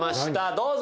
どうぞ。